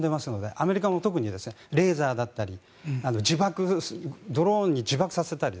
アメリカも特にレーザーだったりドローンに自爆させたり。